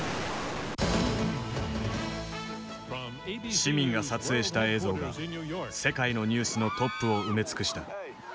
市民が撮影した映像が世界のニュースのトップを埋め尽くした。